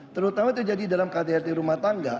terutama terjadi dalam kdrt rumah tangga